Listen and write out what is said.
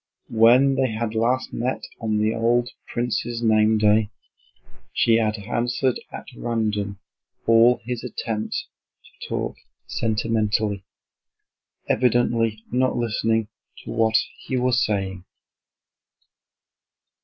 When they had last met on the old prince's name day, she had answered at random all his attempts to talk sentimentally, evidently not listening to what he was saying.